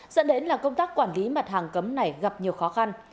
dẫn đến là công tác quản lý mặt hàng cấm này gặp nhiều khó khăn